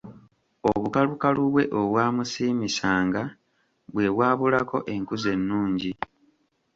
Obukalukalu bwe obwamusiimisanga bwe bwabulako enkuza ennungi.